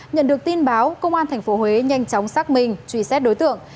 nhận được tin báo công an tp huế nhanh chóng xác minh truy xét đối tượng